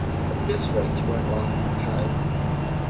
At this rate you won't last my time.